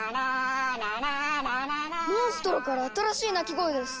モンストロから新しい鳴き声です！